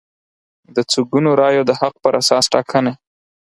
د څو ګونو رایو د حق پر اساس ټاکنې